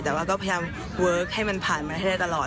แต่ว่าก็พยายามเวิร์คให้มันผ่านมาให้ได้ตลอด